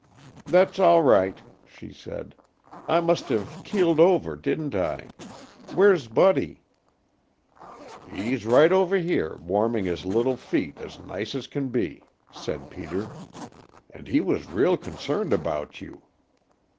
"That's all right," she said. "I must have keeled over, didn't I? Where's Buddy?" "He's right over there warming his little feet, as nice as can be," said Peter. "And he was real concerned about you."